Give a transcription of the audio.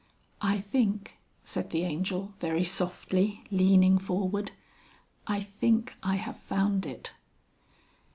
"I think," said the Angel, very softly, leaning forward, "I think I have found it."